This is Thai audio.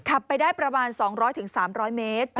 ขับไปได้ประมาณ๒๐๐๓๐๐เมตร